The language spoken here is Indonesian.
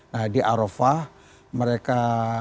nah di arafah mereka